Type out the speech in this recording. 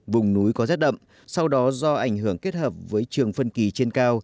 vùng núi có rét đậm sau đó do ảnh hưởng kết hợp với trường phân kỳ trên cao